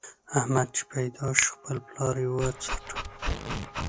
احمد چې پيدا شو؛ خپل پلار يې وڅاټه.